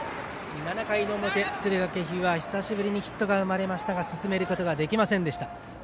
７回の表、敦賀気比は久しぶりにヒットが生まれましたが進めることができませんでした。